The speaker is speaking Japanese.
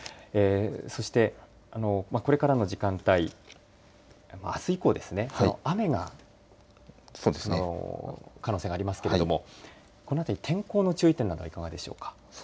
そして、これからの時間帯あす以降ですね雨の可能性がありますけれどもこのあと天候の注意点などはいかがでしょうか。